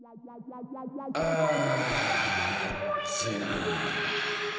あああっついなあ。